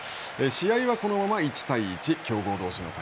試合はこのまま１対１。